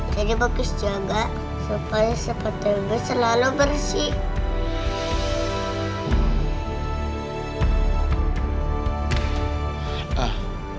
jadi bagus jaga supaya sepatu ibu selalu bersih